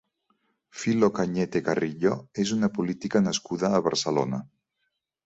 Filo Cañete Carrillo és una política nascuda a Barcelona.